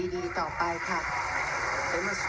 ขอเป็นขำรรจาที่นี่ครับ